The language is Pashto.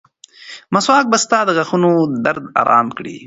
مسواک به ستا د غاښونو درد ارامه کړي.